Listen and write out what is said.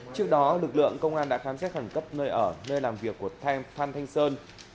trước đó lực lượng công an đã khám xét khẩn cấp nơi ở nơi làm việc của phan thanh sơn